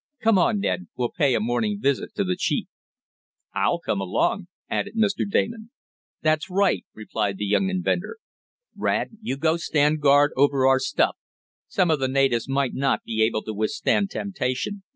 Come on, Ned, we'll pay a morning visit to the chief." "I'll come along," added Mr. Damon. "That's right," replied the young inventor. "Rad, you go stand guard over our stuff. Some of the natives might not be able to withstand temptation.